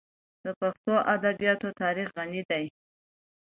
د پښتو ادبیاتو تاریخ غني دی.